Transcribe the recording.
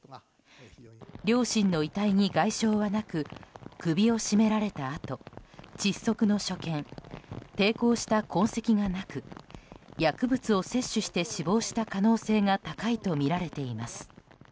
両親の遺体に外傷はなく首を絞められた痕窒息の所見抵抗した痕跡がなく薬物を摂取して死亡した可能性が高いとみられています。